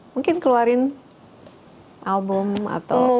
mungkin keluarin album atau